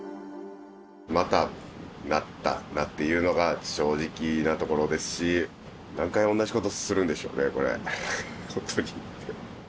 またなったなっていうのが、正直なところですし、何回同じことするんでしょうね、これ、本当に。